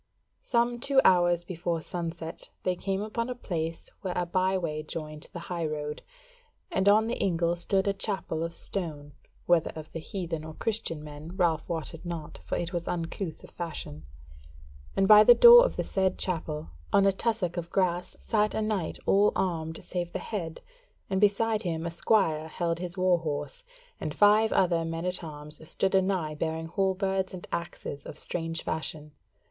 Some two hours before sunset they came upon a place where a byway joined the high road, and on the ingle stood a chapel of stone (whether of the heathen or Christian men Ralph wotted not, for it was uncouth of fashion), and by the door of the said chapel, on a tussock of grass, sat a knight all armed save the head, and beside him a squire held his war horse, and five other men at arms stood anigh bearing halberds and axes of strange fashion.